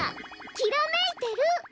きらめいてる！